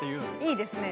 いいですね。